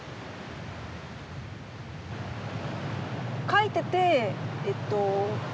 描いててえっと